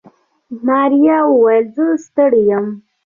ماريا وويل زه ستړې يم.